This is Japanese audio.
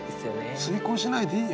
推こうしないでいいよ。